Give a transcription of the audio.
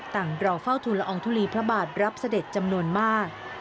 ต่างรอเฝ้าทุลอองทุลีพระบาทรับเสด็จจำนวนมาก